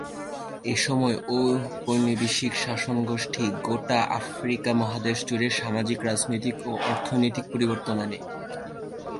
এসময় ঔপনিবেশিক শাসন গোটা আফ্রিকা মহাদেশ জুড়ে সামাজিক, রাজনৈতিক ও অর্থনৈতিক পরিবর্তন আনে।